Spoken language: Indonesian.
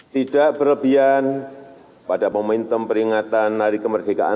tidak berlebihan pada momentum peringatan hari kemerdekaan